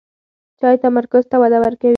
چای تمرکز ته وده ورکوي.